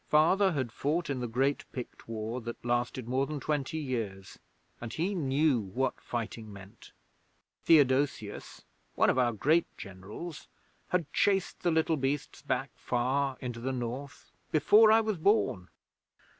Father had fought in the great Pict War that lasted more than twenty years, and he knew what fighting meant. Theodosius, one of our great Generals, had chased the little beasts back far into the North before I was born.